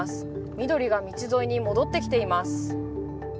緑が道沿いに戻ってきています。